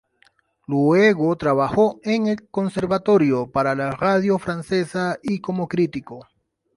Luego trabajó en el conservatorio, para la radio francesa y como crítico.